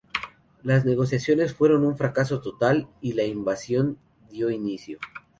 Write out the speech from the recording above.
Las negociaciones fueron un fracaso total y la invasión dio inicio.